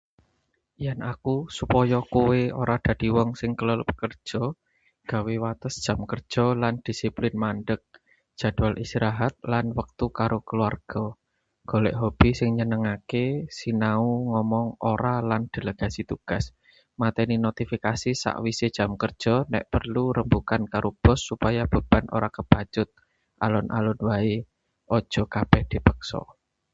"Yen aku, supaya kowe ora dadi wong sing klelep kerja: gawe wates jam kerja lan disiplin mandheg, jadwal istirahat lan wektu karo keluarga, golek hobi sing nyenengake, sinau ngomong ""ora"" lan delegasi tugas, mateni notifikasi sakwise jam kerja. Nek perlu, rembugan karo bos supaya beban ora kebacut. Alon-alon bae, ojo kabeh dipaksa."